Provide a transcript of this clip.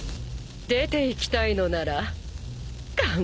出ていきたいのなら簡単だよ。